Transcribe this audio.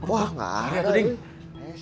wah gak ada nih